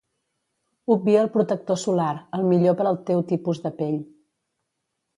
Obvia el protector solar, el millor per al teu tipus de pell.